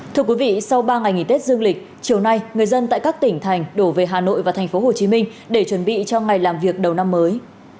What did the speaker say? thưa quý vị sau ba ngày nghỉ tết dương lịch chiều nay người dân tại các tỉnh thành đổ về hà nội và thành phố hồ chí minh để chuẩn bị cho ngày làm việc đầu năm mới